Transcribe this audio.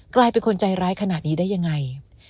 กลายเป็นคนใจร้ายขนาดนี้ได้ยังไง